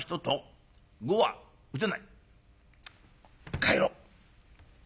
帰ろう」。